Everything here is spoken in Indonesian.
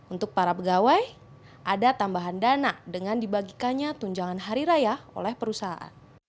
untuk para pegawai ada tambahan dana dengan dibagikannya tunjangan hari raya oleh perusahaan